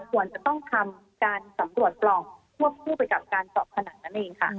ควรจะต้องทำการสำรวจปล่องควบคู่ไปกับการเจาะผนังนั่นเองค่ะ